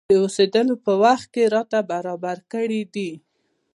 د اوسېدلو په وخت کې راته برابر کړي دي.